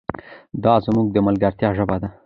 دا زموږ د ملګرتیا ژبه ده.